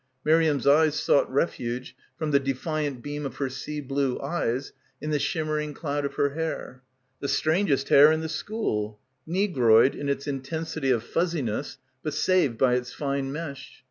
Miriam's eyes sought refuge from the defiant beam of her sea blue eyes in the shimmering cloud of her hair. The strangest hair in the school; negroid in its intensity of fuzziness, but saved by its fine mesh.